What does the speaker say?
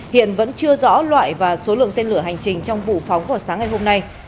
hiện vẫn chưa rõ loại và số lượng tên lửa hành trình trong vụ phóng vào sáng ngày hôm nay